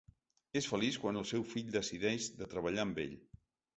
És feliç quan el seu fill decideix de treballar amb ell.